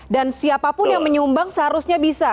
dan siapapun yang menyumbang seharusnya bisa